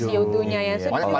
itu siutunya ya